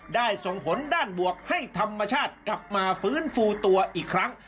ส่งผลด้านบวกให้ธรรมชาติกลับมาฟื้นฟูตัวอีกครั้ง